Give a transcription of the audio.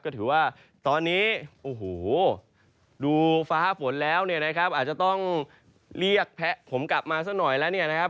ก็ถือว่าตอนนี้โอ้โหดูฟ้าฝนแล้วเนี่ยนะครับอาจจะต้องเรียกแพะผมกลับมาสักหน่อยแล้วเนี่ยนะครับ